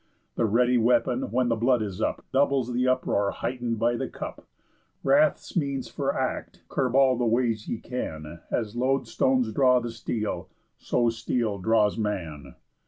_The ready weapon, when the blood is up, Doubles the uproar heighten'd by the cup. Wrath's means for act, curb all the ways ye can, As loadstones draw the steel, so steel draws man.